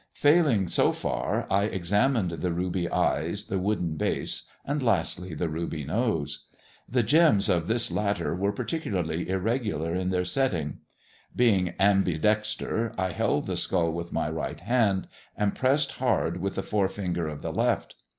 Failing so far, I examined the ruby eyes, the wooden base, and lastly the ruby nose. The gems of this latter were particu larly irregular in their setting. Being ambidexter, I held the skull with my right hand and pressed hard with the forefinger of the left.